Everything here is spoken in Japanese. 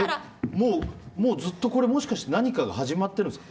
もうずっとこれ何かが始まってるんですか。